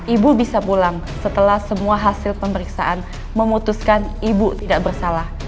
ibu bisa pulang setelah semua hasil pemeriksaan memutuskan ibu tidak bersalah